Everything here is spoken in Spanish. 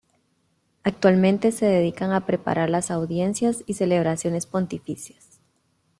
Actualmente se dedican a preparar las audiencias y celebraciones pontificias.